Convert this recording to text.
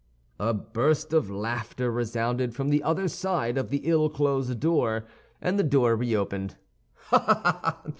A burst of laughter resounded from the other side of the ill closed door, and the door reopened. "Ha, ha!"